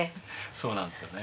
そうなんですよね。